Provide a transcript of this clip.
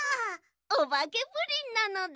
おばけプリンなのだ。